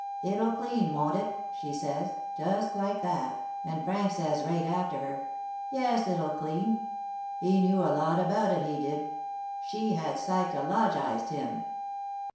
'It'll clean, won't it?' she says, just like that, and Frank says, right after her, 'Yes, it'll clean.' He knew a lot about it, he did. She had psychologised him."